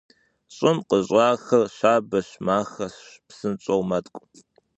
Щӏым къыщӏахыр щабэщ, махэщ, псынщӏэу мэткӏу.